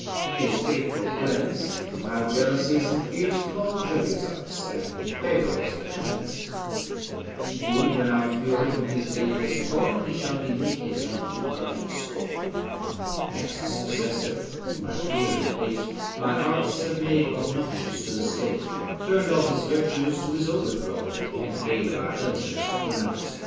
His faithful friends our jealousies and fears Gall Jebusites and Pharaoh's pensioners, Whom when our fury from his aid has torn, He shall be naked left to public scorn. 400 The next successor, whom I fear and hate, My arts have made obnoxious to the State, Turned all his virtues to his overthrow, And gained our elders to pronounce a foe.